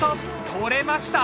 取れました。